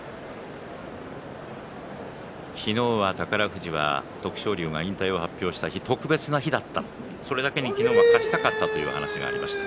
昨日は宝富士は徳勝龍が引退を発表した日、特別な日だった、それだけに昨日は勝ちたかったという話をしていました。